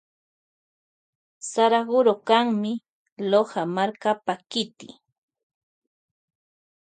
Saraguro kanmi Loja markapa kiti.